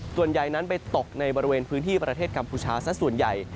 ส่วนใหญ่นั้นไปตกในบริเวณพื้นที่ประเทศกัมพูชาสักส่วนใหญ่